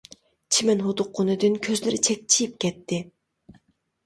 — چىمەن ھودۇققىنىدىن كۆزلىرى چەكچىيىپ كەتتى.